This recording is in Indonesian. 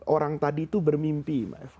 orang tadi itu bermimpi